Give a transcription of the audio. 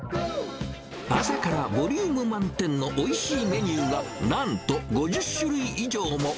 朝からボリューム満点のおいしいメニューが、なんと５０種類以上も。